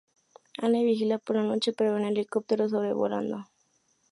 Anne vigila por la noche pero ve un helicóptero sobrevolando.